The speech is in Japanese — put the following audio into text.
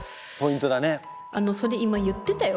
あのそれ今言ってたよ。